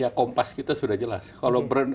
ya kompas kita sudah jelas kalau brand